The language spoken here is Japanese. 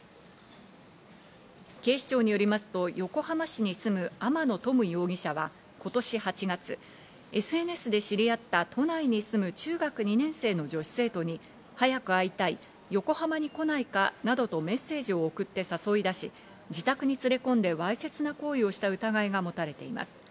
警視庁によりますと、横浜市に住む天野十夢容疑者は、今年８月、ＳＮＳで知り合った都内に住む中学２年生の女子生徒に早く会いたい、横浜に来ないかなどとメッセージを送って誘い出し、自宅に連れ込んでわいせつな行為をした疑いがもたれています。